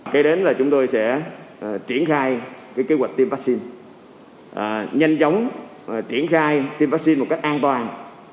kế đến là chúng tôi sẽ triển khai kế hoạch tiêm vaccine nhanh chóng triển khai tiêm vaccine một cách an toàn